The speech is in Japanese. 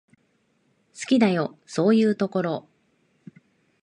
好きだよ、そういうところ。